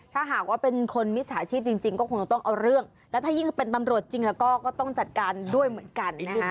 ถ้าหากว่าเป็นคนมิจฉาชีพจริงก็คงจะต้องเอาเรื่องแล้วถ้ายิ่งเป็นตำรวจจริงแล้วก็ก็ต้องจัดการด้วยเหมือนกันนะฮะ